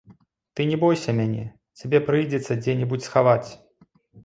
Ты не бойся мяне, цябе прыйдзецца дзе-небудзь схаваць.